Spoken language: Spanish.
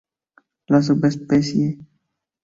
La subespecie ssp.